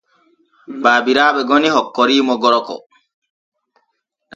Babiraaɓe goni hokkoriimo gorko.